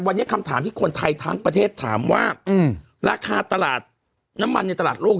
วันนี้คำถามที่คนไทยทั้งประเทศถามว่าราคาตลาดน้ำมันในตลาดโลก